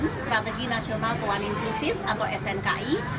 strategi nasional keuangan inklusif atau snki